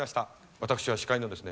私は司会のですね